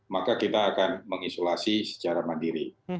maka kita akan mengisolasi secara mandiri